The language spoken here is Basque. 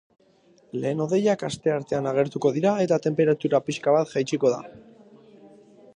Lehen hodeiak asteartean agertuko dira eta tenperatura pixka bat jaitsiko da.